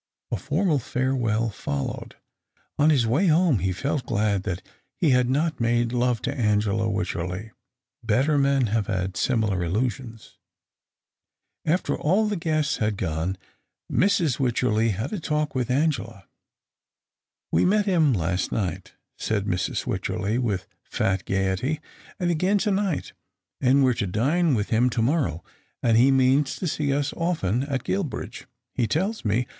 A formal farewell followed. On his way home he felt glad that he had not made love to Angela Wycherley. Better men have had similar illusions. After all the guests had gone, Mrs. Wycherley had a talk with Angela. " We met him last night," said Mrs. Wycherley, with fat gaiety, *' and again to night, and we're to dine with him to morrow ; and he means to see us often at Guilbridge, he tells me.